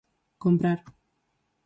Comprar.